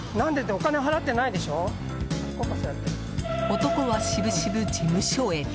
男は渋々、事務所へ。